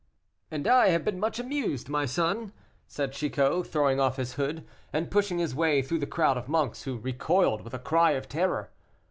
"And I have been much amused, my son," said Chicot, throwing off his hood, and pushing his way through the crowd of monks, who recoiled, with a cry of terror.